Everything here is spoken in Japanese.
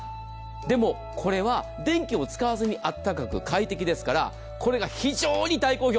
でも、これは電気を使わずにあったかく快適ですからこれが非常に大好評。